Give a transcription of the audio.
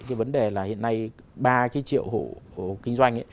cái vấn đề là hiện nay ba triệu hộ kinh doanh